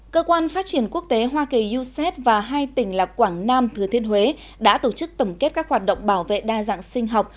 cơ quan phát triển quốc tế hoa kỳ uced và hai tỉnh là quảng nam thừa thiên huế đã tổ chức tổng kết các hoạt động bảo vệ đa dạng sinh học